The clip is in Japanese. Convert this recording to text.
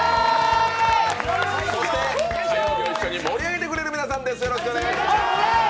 そして火曜日を一緒に盛り上げてくれる皆さんです。